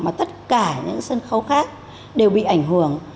mà tất cả những sân khấu khác đều bị ảnh hưởng